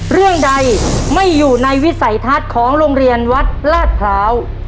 เรื่องใดไม่อยู่ในวิสัยทัศน์ของโรงเรียนวัดลาดพร้าว